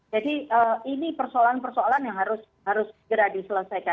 jadi ini persoalan persoalan yang harus segera diselesaikan